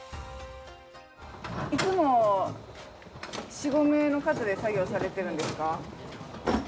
いつも４５名の方で作業されてるんですか？